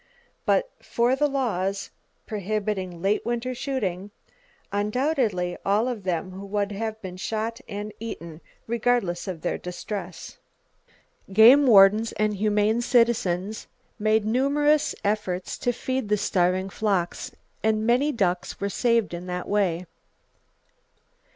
But for the laws prohibiting late winter shooting undoubtedly all of them would have been shot and eaten, regardless of their distress. Game wardens and humane citizens made numerous efforts to feed the starving flocks, and many ducks were saved in that way.